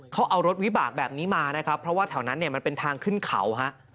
เขาเอารถวิบากแบบนี้มานะครับเพราะว่าแถวนั้นเนี่ยมันเป็นทางขึ้นเขาฮะ